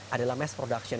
adalah mass production